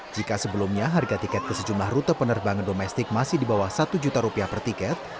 jika sebelumnya harga tiket ke sejumlah rute penerbangan domestik masih di bawah satu juta rupiah per tiket